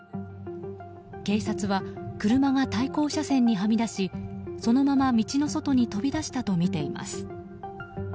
警察は、車が対向車線にはみ出しそのまま道の外に飛び出したとみています。